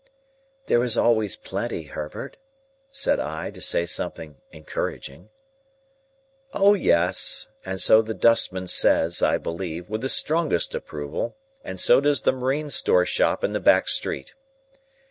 "There is always plenty, Herbert," said I, to say something encouraging. "O yes! and so the dustman says, I believe, with the strongest approval, and so does the marine store shop in the back street.